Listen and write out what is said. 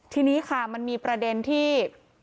ทีนี้ค่ะมันมีประเด็นที่